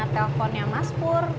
telepon yang mas pur